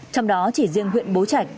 trong đó chỉ riêng huyện bố trạch